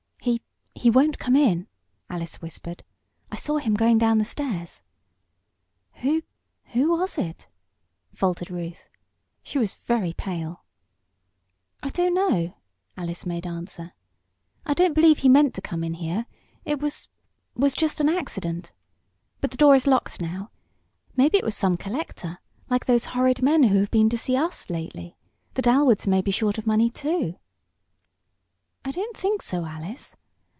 "He he won't come in," Alice whispered. "I saw him going down the stairs." "Who who was it?" faltered Ruth. She was very pale. "I don't know," Alice made answer. "I don't believe he meant to come in here. It was was just an accident. But the door is locked now. Maybe it was some collector like those horrid men who have been to see us lately. The Dalwoods may be short of money, too." "I don't think so, Alice.